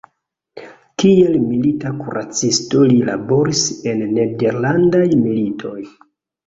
Kiel milita kuracisto li laboris en nederlandaj militoj.